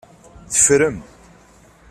Teffrem.